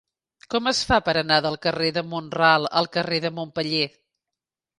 Com es fa per anar del carrer de Mont-ral al carrer de Montpeller?